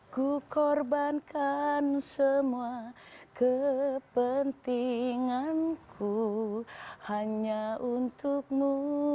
ku korbankan semua kepentinganku hanya untukmu